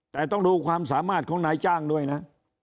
แต่ต้องดูความสามารถของนายจ้างด้วยนะ